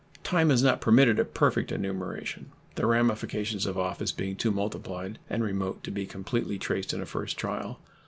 Time has not permitted a perfect enumeration, the ramifications of office being too multiplied and remote to be completely traced in a first trial.